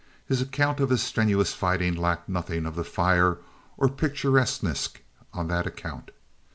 His account of his strenuous fighting lacked nothing of fire or picturesqueness on that account.